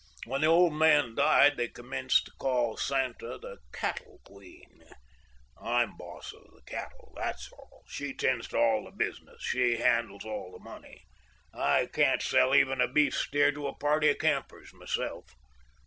When the old man died they commenced to call Santa the 'cattle queen.' I'm boss of the cattle—that's all. She 'tends to all the business; she handles all the money; I can't sell even a beef steer to a party of campers, myself.